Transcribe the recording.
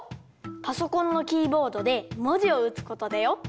パソコンのキーボードでもじをうつことだよ。